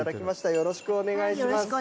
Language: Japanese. よろしくお願いします。